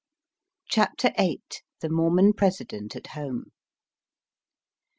CHAPTER VIII. THE MORMON PRESIDENT AT HOME.